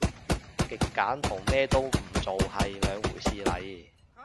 極簡同咩都唔做係兩回事嚟